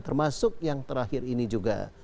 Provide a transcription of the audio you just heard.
termasuk yang terakhir ini juga